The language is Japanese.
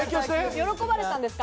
喜ばれたんですか？